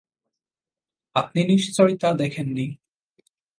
আপনি নিশ্চয়ই তা দেখেন নি?